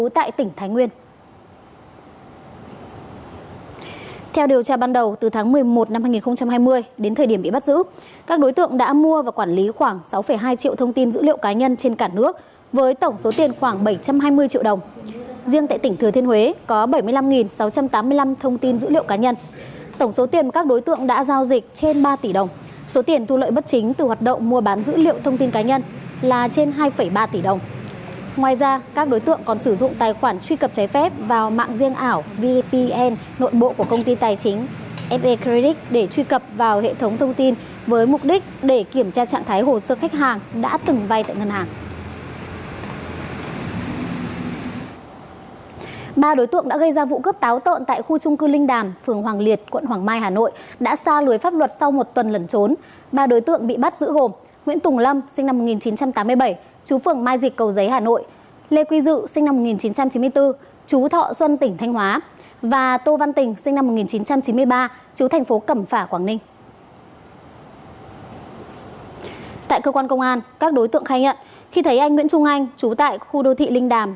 tại cơ quan công an các đối tượng khai nhận khi thấy anh nguyễn trung anh chú tại khu đô thị linh đàm